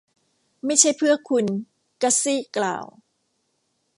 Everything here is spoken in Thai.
ไม่ใช่เพื่อคุณ. กัซซี่กล่าว